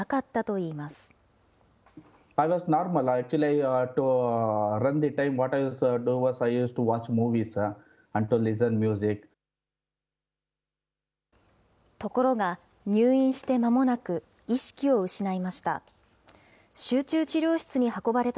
ところが入院してまもなく、意識を失いました。